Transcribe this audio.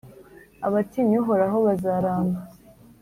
Abatinya Uhoraho bazaramba,